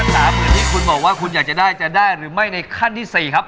สามหมื่นที่คุณบอกว่าคุณอยากจะได้จะได้หรือไม่ในขั้นที่สี่ครับ